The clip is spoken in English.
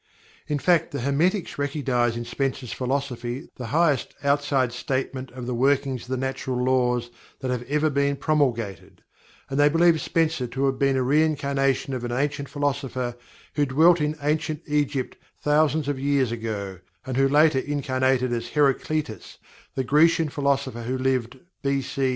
In fact, the Hermetics recognize in Spencer's philosophy the highest outside statement of the workings of the Natural Laws that have ever been promulgated, and they believe Spencer to have been a reincarnation of an ancient philosopher who dwelt in ancient Egypt thousands of years ago, and who later incarnated as Heraclitus, the Grecian philosopher who lived B. C.